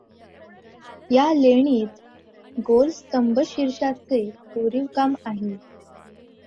या लेणीत गोल स्तंभशीर्षांचे कोरीवकाम आहे.